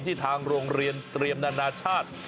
ทางโรงเรียนเตรียมนานาชาติ